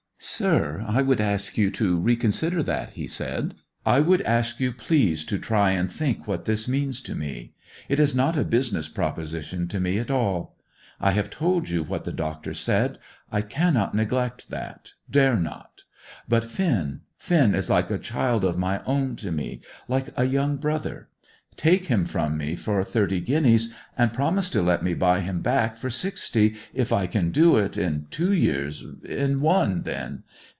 "Sir, I would ask you to reconsider that," he said. "I would ask you please to try and think what this means to me. It is not a business proposition to me at all. I have told you what the doctor said. I cannot neglect that dare not. But Finn Finn is like a child of my own to me; like a young brother. Take him from me for thirty guineas, and promise to let me buy him back for sixty, if I can do it, in two years, in one, then.